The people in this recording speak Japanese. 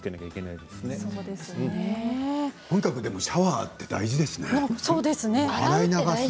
とにかくシャワーは大事ですね。